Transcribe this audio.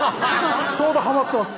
ちょうどはまってます